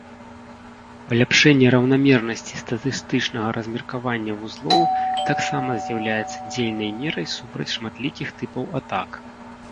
Паляпшэнне раўнамернасці статыстычнага размеркавання вузлоў таксама з'яўляецца дзейнай мерай супраць шматлікіх тыпаў атак.